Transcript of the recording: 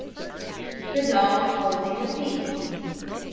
THE DOG HOLDING THE THIEF.